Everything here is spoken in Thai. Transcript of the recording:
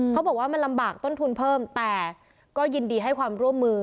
เขาบอกว่ามันลำบากต้นทุนเพิ่มแต่ก็ยินดีให้ความร่วมมือ